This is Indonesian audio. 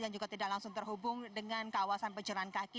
dan juga tidak langsung terhubung dengan kawasan parkiran di blok f